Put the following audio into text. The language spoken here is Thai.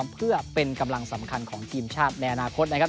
เป็นสำคัญของทีมชาติในอนาคตนะครับ